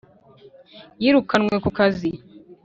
Yirukanwe kukazi